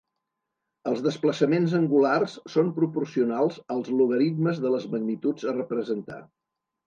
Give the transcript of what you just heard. Els desplaçaments angulars són proporcionals als logaritmes de les magnituds a representar.